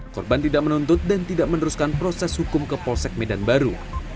korban tidak menuntut dan tidak meneruskan proses hukum ke polsek medan baru